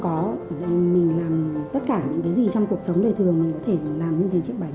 có mình làm tất cả những cái gì trong cuộc sống đời thường mình có thể làm những cái chiếc bánh